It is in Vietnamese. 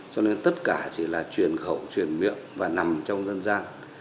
cho nên tất cả chỉ là truyền khẩu truyền miệng và nằm trong dân gian